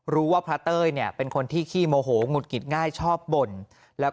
พระเต้ยเนี่ยเป็นคนที่ขี้โมโหหงุดหงิดง่ายชอบบ่นแล้ว